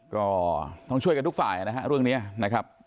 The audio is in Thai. ก็ช่วยกันทุกฝ่าเรื่องนี้นะครับ